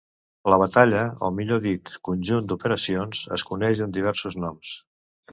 La batalla, o millor dit conjunt d'operacions, es coneix amb diversos noms.